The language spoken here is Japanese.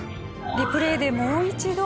リプレーでもう一度。